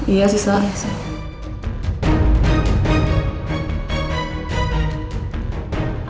iya sih sok